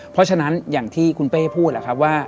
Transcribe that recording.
เพราะฉะนั้นอย่างที่คุณเป้พูดว่า